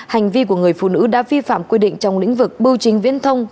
hành vi của người phụ nữ đã vi phạm quy định trong lĩnh vực bưu chính viễn thông